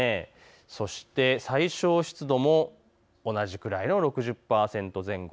そして最小湿度も同じくらいの６０％前後。